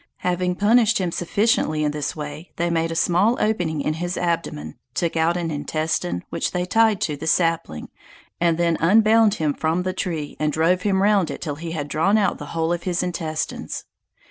Having punished him sufficiently in this way, they made a small opening in his abdomen, took out an intestine, which they tied to the sapling, and then unbound him from the tree, and drove him round it till he had drawn out the whole of his intestines.